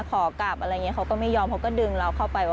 ขอกลับอะไรอย่างนี้เขาก็ไม่ยอมเขาก็ดึงเราเข้าไป